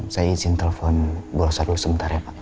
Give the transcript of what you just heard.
saya izin telepon gue usah dulu sebentar ya pak